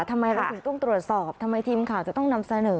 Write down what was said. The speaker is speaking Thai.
ทำไมเราถึงต้องตรวจสอบทำไมทีมข่าวจะต้องนำเสนอ